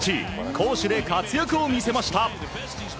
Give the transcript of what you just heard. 攻守で活躍を見せました。